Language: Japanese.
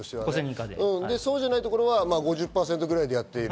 そうじゃないところは５０％ぐらいでやってる。